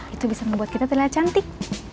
itu bisa membuat kita terlihat cantik